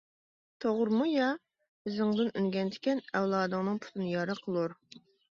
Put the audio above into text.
توغرىمۇ يا؟ ئىزىڭدىن ئۈنگەن تىكەن، ئەۋلادىڭنىڭ پۇتىنى يارا قىلۇر.